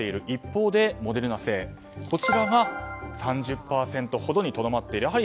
一方でモデルナ製が３０％ほどにとどまっている。